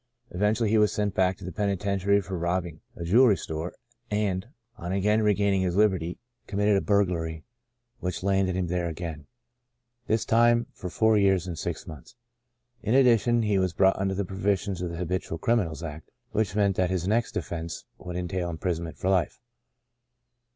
Eventually he was sent back to the penitentiary for robbing a jewelry store, and, on again regaining his liberty, committed a burglary which landed him there again — this time for four years and six months. In addi tion, he was brought under the provisions of the Habitual Criminals Act, which meant that his next offense would entail imprison ment for life.